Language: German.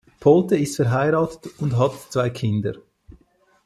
Polte ist verheiratet und hat zwei Kinder.